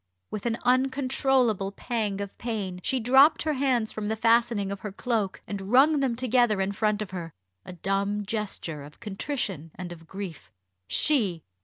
With an uncontrollable pang of pain she dropped her hands from the fastenings of her cloak, and wrung them together in front of her a dumb gesture of contrition and of grief. She!